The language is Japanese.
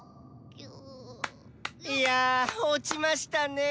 ・いや落ちましたねぇ。